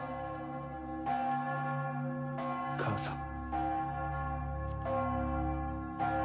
母さん。